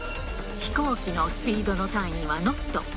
飛行機のスピードの単位はノット。